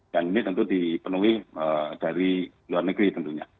dan ini tentu dipenuhi dari luar negeri tentunya